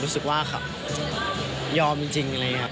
รู้สึกว่าครับยอมจริงอะไรอย่างนี้